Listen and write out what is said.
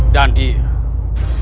dan dia kepala putraku